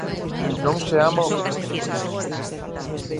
Non se ama o que non se coñece.